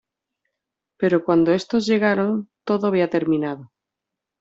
Pero cuando estos llegaron, todo había terminado.